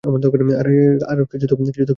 আরে কিছু তো খেয়াল রাখো, জ্বি।